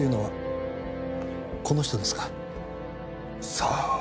さあ？